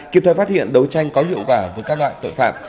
kịp thời phát hiện đấu tranh có hiệu quả với các loại tội phạm